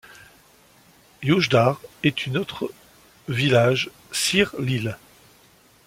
Uachdar est une autre village sir l'île.